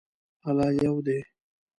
الله یو دی